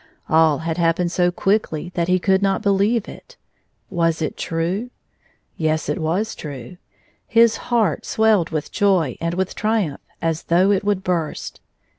All had happened so quickly that he could not believe it. Was it true ? Yes, it was true ! His heart swelled with joy and with triumph as though it would burst.